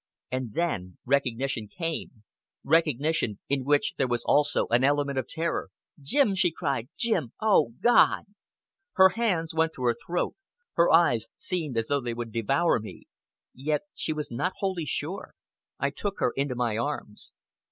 And then recognition came recognition in which there was also an element of terror. "Jim!" she cried. "Jim! Oh! God!" Her hands went to her throat. Her eyes seemed as though they would devour me. Yet she was not wholly sure! I took her into my arms!